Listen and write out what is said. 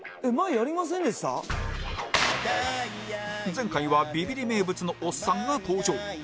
前回はビビリ名物のオッサンが登場